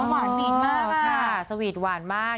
วาดหวานมากค่ะค่ะสวีตวาดมาก